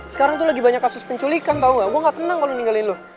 sekarang tuh lagi banyak kasus penculikan tau gak gue gak tenang kalau ninggalin lo